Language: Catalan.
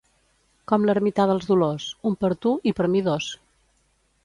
Com l'ermità dels Dolors, un per tu i per mi dos.